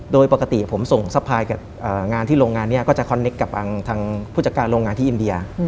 โดยปกติผมส่งสะพายกับงานที่โรงงานนี้ก็จะคอนเนคกับทางผู้จัดการโรงงานที่อินเดีย